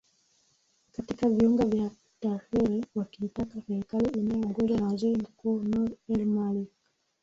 katika viunga vya tahrir wakiitaka serikali inayoongozwa na waziri mkuu nur el malik